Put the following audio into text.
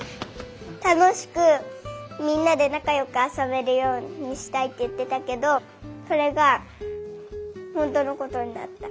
たのしくみんなでなかよくあそべるようにしたいっていってたけどそれがほんとのことになった。